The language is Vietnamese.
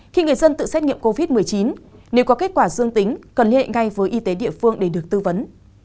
khi người dân tự xét nghiệm covid một mươi chín nếu có kết quả dương tính cần liên hệ ngay với y tế địa phương để được tư vấn